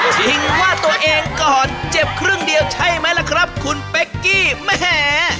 ชิงว่าตัวเองก่อนเจ็บครึ่งเดียวใช่ไหมล่ะครับคุณเป๊กกี้แหม